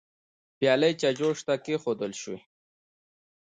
پيالې چايجوشه ته کيښودل شوې.